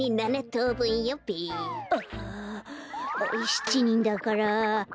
７にんだから。